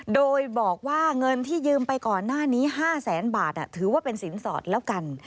โดยบอกว่าเงินที่ยืมไปก่อนหน้านี้๕แสนบาทถือว่าเป็นสินสอดแล้วกัน